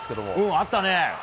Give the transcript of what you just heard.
あったね。